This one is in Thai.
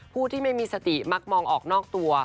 ผู้ที่ไม่มีสติมักมองออกนอกตัว